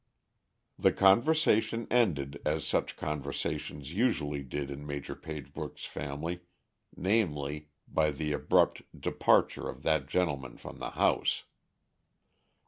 The conversation ended as such conversations usually did in Maj. Pagebrook's family, namely, by the abrupt departure of that gentleman from the house.